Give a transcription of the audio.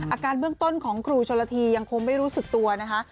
อาการเบื้องต้นของครูชนละทียังคงไม่รู้สึกตัวนะคะ